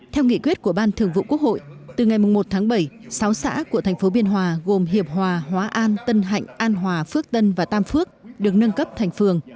theo nghị quyết của ban thường vụ quốc hội từ ngày một tháng bảy sáu xã của thành phố biên hòa gồm hiệp hòa hóa an tân hạnh an hòa phước tân và tam phước được nâng cấp thành phường